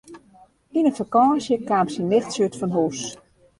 Yn de fakânsje kaam syn nichtsje útfanhûs.